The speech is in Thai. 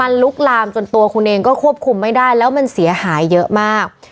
มันลุกลามจนตัวคุณเองก็ควบคุมไม่ได้แล้วมันเสียหายเยอะมาก